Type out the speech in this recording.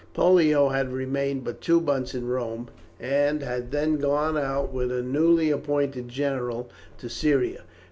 Pollio had remained but two months in Rome, and had then gone out with a newly appointed general to Syria.